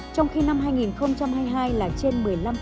trong khi năm hai nghìn hai mươi hai là trên một mươi năm